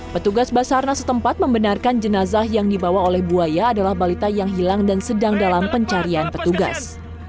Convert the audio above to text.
petugas basarnas setempat membenarkan jenazah yang dibawa oleh buaya adalah balita yang hilang dan sedang dalam pencarian petugas